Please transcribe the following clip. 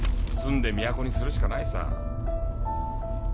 住んで都にするしかないさ。